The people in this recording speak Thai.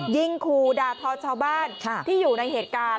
ยิงขู่ด่าทอชาวบ้านที่อยู่ในเหตุการณ์